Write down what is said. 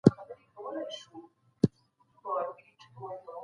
ایا دا ستاسو خپل لاسي کار دی؟